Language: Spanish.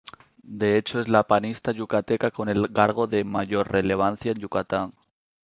De hecho, es la panista yucateca con el cargo de mayor relevancia en Yucatán.